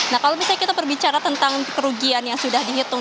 nah kalau misalnya kita berbicara tentang kerugian yang sudah dihitung